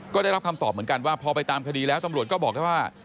ก็ได้รับคำตอบเหมือนกันว่าพอไปตามคดีแล้วตำรวจก็บอกแค่ว่า